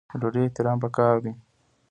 د ډوډۍ احترام پکار دی.